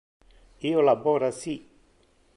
Io labora ci.